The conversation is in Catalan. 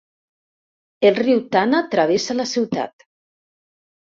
El riu Tana travessa la ciutat.